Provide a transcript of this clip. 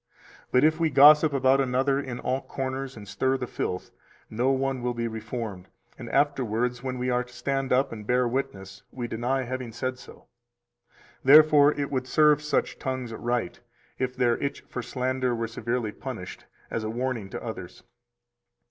281 But if we gossip about another in all corners, and stir the filth, no one will be reformed, and afterwards when we are to stand up and bear witness, we deny having said so. 282 Therefore it would serve such tongues right if their itch for slander were severely punished, as a warning to others.